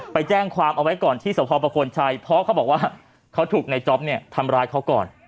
ไปแจ้งความเอาไว้ก่อนที่สภประคลชัยเพราะเขาบอกว่าเขาถูกในจ๊อปเนี่ยทำร้ายเขาก่อน